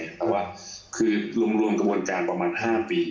เพราะว่าคือรวมกระบวนการประมาณ๕ปี